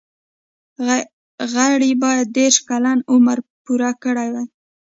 غړي باید دیرش کلن عمر پوره کړی وي.